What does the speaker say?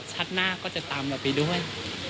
ชาติหน้าจะตามเราไปด้วย